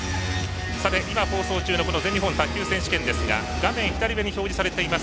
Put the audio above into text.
今、放送中の全日本卓球選手権ですが画面左上に表示されています